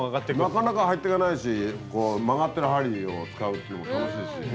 なかなか入ってかないしこう曲がってる針を使うっていうのも楽しいし。